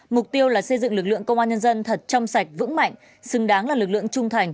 mục tiêu là xây dựng lực lượng công an nhân dân thật trong sạch vững mạnh xứng đáng là lực lượng trung thành